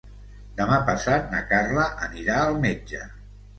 Demà passat na Carla anirà al metge.